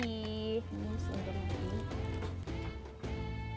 nasi bakarnya sudah jadi